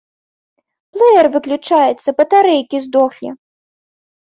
Плэер выключаецца, батарэйкі здохлі.